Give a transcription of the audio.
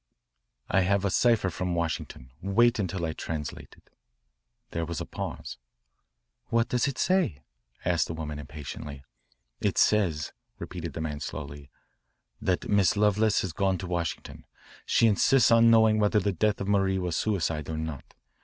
"I have a cipher from Washington. Wait until I translate it." There was a pause. "What does it say?" asked the woman impatiently. "It says," repeated the man slowly, "that Miss Lovelace has gone to Washington. She insists on knowing whether the death of Marie was a suicide or not.